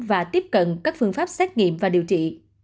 và tiếp cận các phương pháp xét nghiệm và điều trị